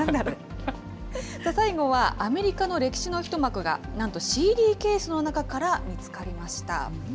最後はアメリカの歴史の一幕が、なんとＣＤケースの中から見つかりました。